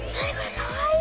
かわいい！